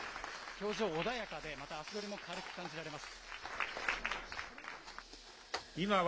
表情穏やかで、また足取りも軽く感じられます。